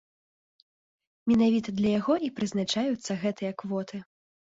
Менавіта для яго і прызначаюцца гэтыя квоты.